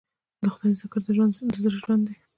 د خدای ذکر د زړه ژوند دی.